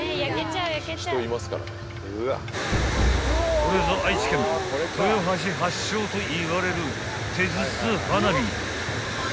［これぞ愛知県豊橋発祥といわれる手筒花火］